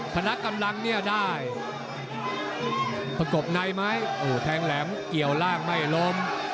พนักกำลังเนี่ยได้ประกบในไหมแทงแหลมเกี่ยวล่างไม่ล้ม